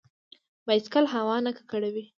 بایسکل هوا نه ککړوي.